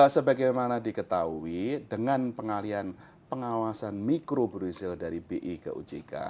sebagaimana diketahui dengan pengalian pengawasan mikro brazil dari bi ke ojk